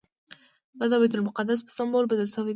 دا د بیت المقدس په سمبول بدل شوی دی.